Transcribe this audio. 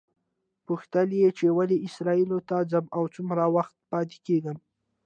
پوښتل یې چې ولې اسرائیلو ته ځم او څومره وخت پاتې کېږم.